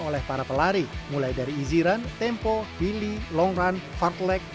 oleh para pelari mulai dari easy run tempo hilly long run fartlek